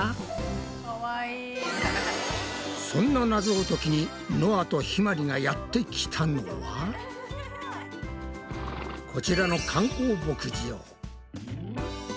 そんなナゾを解きにのあとひまりがやってきたのはこちらの観光牧場！